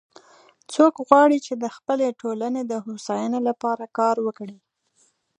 څوک غواړي چې د خپلې ټولنې د هوساینی لپاره کار وکړي